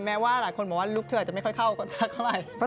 แม้ว่าหลายคนบอกว่าลุคเธออาจจะไม่ค่อยเข้ากันสักเท่าไหร่